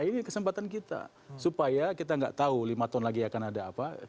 jadi ini kesempatan kita bagi orang orang yang tertarik untuk mempelajari hukum tata negara ini kesempatan kita